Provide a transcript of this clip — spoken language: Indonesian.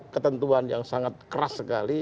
ketentuan yang sangat keras sekali